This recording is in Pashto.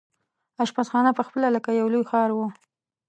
اشپزخانه پخپله لکه یو لوی ښار وو.